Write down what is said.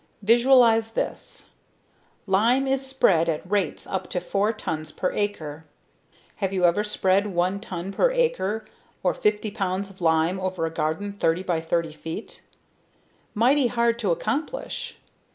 Visualize this! Lime is spread at rates up to four tons per acre. Have you ever spread 1 T/A or 50 pounds of lime over a garden 33 x 33 feet? Mighty hard to accomplish!